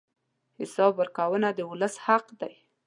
حساب ورکونه د ولس حق دی.